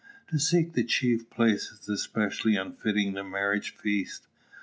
To seek the chief place is especially unfitting the marriage feast.